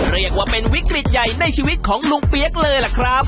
เรียกว่าเป็นวิกฤตใหญ่ในชีวิตของลุงเปี๊ยกเลยล่ะครับ